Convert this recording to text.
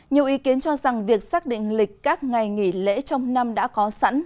nhiều ý kiến cho rằng việc xác định lịch các ngày nghỉ lễ trong năm đã có sẵn